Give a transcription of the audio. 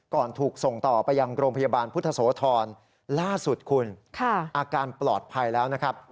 ถูกส่งต่อไปยังโรงพยาบาลพุทธโสธรล่าสุดคุณอาการปลอดภัยแล้วนะครับ